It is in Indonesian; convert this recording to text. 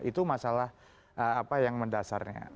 itu masalah apa yang mendasarnya